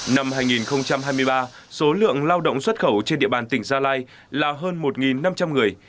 năm hai nghìn hai mươi ba số lượng lao động xuất khẩu trên địa bàn tỉnh gia lai là hơn một năm trăm linh người